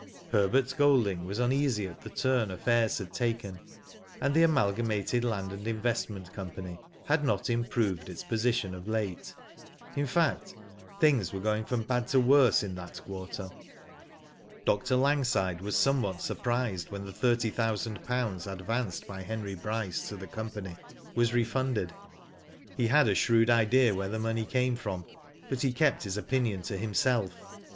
Herbert Golding was uneasy at the turn affairs had taken, and the Amalgamated Land and In vestment Co. had not improved its position of late; in fact, things were going from bad to worse in that quarter. Dr. Langside was somewhat surprised when the thirty thousand pounds advanced by Henry Bryce to the company was refunded. He had a shrewd idea where the money came from, but he kept his opinion to himself.